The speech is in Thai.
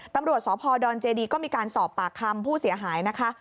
ตำรวจสพดเจดีก็มีการสอบปากคำผู้เสียหายนะคะ